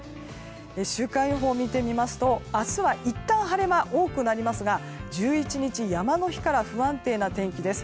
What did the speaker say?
週間予報を見てみますと明日はいったん晴れ間が多くなりますが１１日、山の日から不安定な天気です。